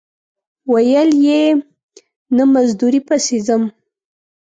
ویل یې نه مزدورۍ پسې ځم.